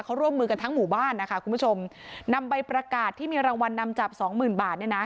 เขาร่วมมือกันทั้งหมู่บ้านนะคะคุณผู้ชมนำใบประกาศที่มีรางวัลนำจับสองหมื่นบาทเนี่ยนะ